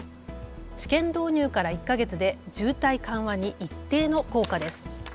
試験導入から１か月で渋滞緩和に一定の効果です。